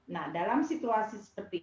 nah dalam situasi seperti ini